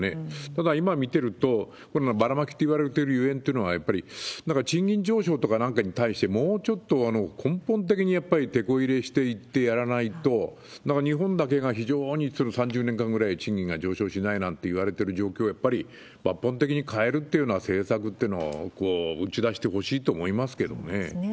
ただ、今見てると、このばらまきといわれているゆえんというのは、やっぱりなんか賃金上昇とかなんかに対して、もうちょっと根本的にやっぱりてこ入れしていってやらないと、なんか日本だけが非常に３０年間ぐらい賃金が上昇しないなんていわれてる状況をやっぱり抜本的に変えるというような政策ってのを打ち出してほしいと思いますけどね。